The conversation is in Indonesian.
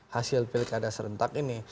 hasil pilkada serentak ini